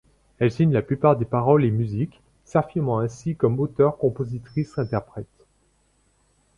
Elle signe la plupart des paroles et musiques, s'affirmant ainsi comme auteure-compositrice-interprète.